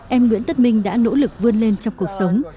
em nguyễn tất minh đã nỗ lực vươn lên trong cuộc sống